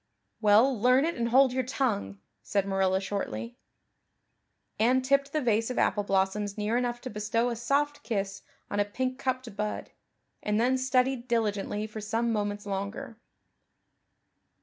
"Well, learn it and hold your tongue," said Marilla shortly. Anne tipped the vase of apple blossoms near enough to bestow a soft kiss on a pink cupped bud, and then studied diligently for some moments longer.